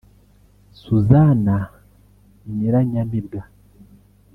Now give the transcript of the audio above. Suzanna Nyiranyamibwa